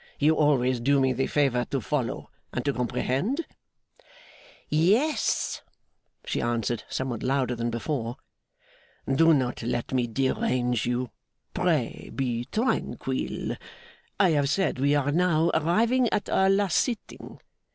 You always do me the favour to follow, and to comprehend?' 'Yes,' she answered, somewhat louder than before. 'Do not let me derange you; pray be tranquil. I have said we are now arrived at our last sitting.